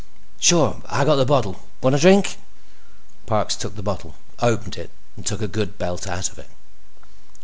"Sure. I got the bottle. Want a drink?" Parks took the bottle, opened it, and took a good belt out of it.